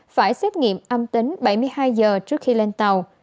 phải xét nghiệm âm tính bảy mươi hai giờ trước khi lên tàu